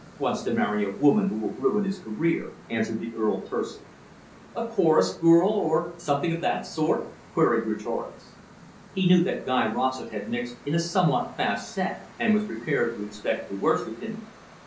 "Wants to marry a woman who will ruin his career," answered the Earl tersely. "A chorus girl or something of that sort?" queried Greatorex. He knew that Guy Rossett had mixed in a somewhat fast set, and was prepared to expect the worst of him.